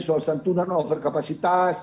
soal santunan over kapasitas